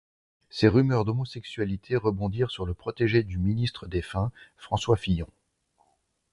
Ces rumeurs d'homosexualité rebondiront sur le protégé du ministre défunt, François Fillon.